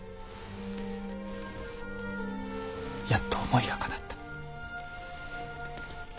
やっと思いがかなった。